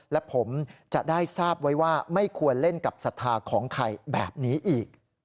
และผมจะได้ทราบไว้ว่าไม่ควรเล่นกับศรัทธาของใครแบบนี้อีก